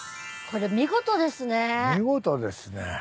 これ見事ですね